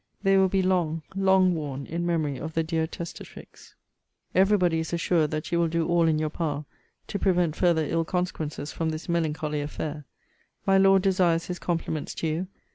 They will be long, long worn in memory of the dear testatrix. Every body is assured that you will do all in your power to prevent farther ill consequences from this melancholy affair. My Lord desires his compliments to you.